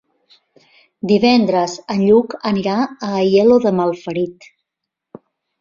Divendres en Lluc anirà a Aielo de Malferit.